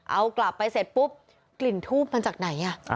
เอากลับไปเสร็จปุ๊บกลิ่นทูบมันจากไหน